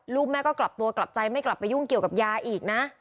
ลูกแม่ก็กลับตัวกลับใจไม่กลับไปยุ่งเกี่ยวกับยาอีกนะ